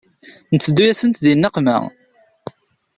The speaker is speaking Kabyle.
Nteddu-yasent di nneqma.